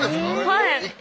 はい。